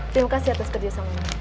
terima kasih atas kerjasama